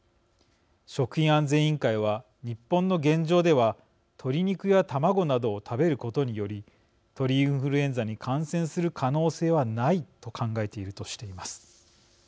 食品安全委員会は「日本の現状では鶏肉や卵などを食べることにより鳥インフルエンザに感染する可能性はないと考えている」としています。